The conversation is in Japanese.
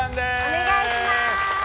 お願いします！